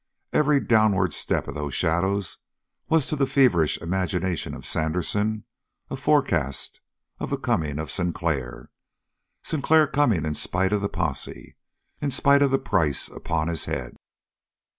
Every downward step of those shadows was to the feverish imagination of Sandersen a forecast of the coming of Sinclair Sinclair coming in spite of the posse, in spite of the price upon his head.